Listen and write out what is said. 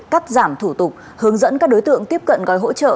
cắt giảm thủ tục hướng dẫn các đối tượng tiếp cận gói hỗ trợ